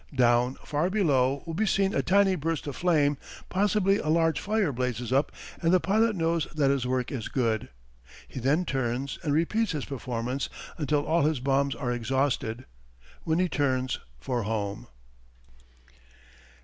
Down far below will be seen a tiny burst of flame; possibly a large fire blazes up and the pilot knows that his work is good. He then turns and repeats his performance until all his bombs are exhausted, when he turns for home.